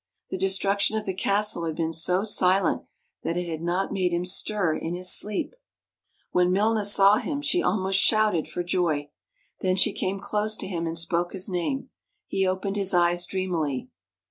The destruction of the castle had been so silent that it had not made him stir in his sleep. When Milna saw him she almost shouted for joy. Then she came close to him and spoke his name. He opened his eyes dreamily.